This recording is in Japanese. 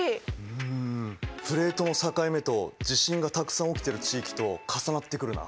うんプレートの境目と地震がたくさん起きてる地域と重なってくるな。